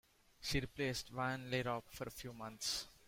She replaced Van Lierop for a few months.